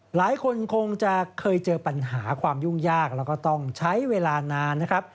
หลายคนคงจะเคยเจอปัญหาความยุ่งยากแล้วก็ต้องใช้เวลานานนะครับ